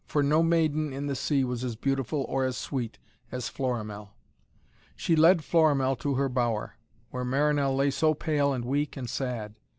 For no maiden in the sea was as beautiful or as sweet as Florimell. She led Florimell to her bower, where Marinell lay so pale and weak and sad.